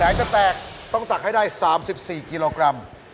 จะแตกต้องตักให้ได้๓๔กิโลกรัม